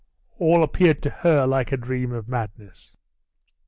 all appeared to her like a dream of madness.